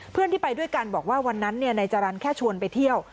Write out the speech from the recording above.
เพื่อนที่ไปด้วยกันบอกว่าวันนั้นนายจรรย์แค่ชวนไปเที่ยว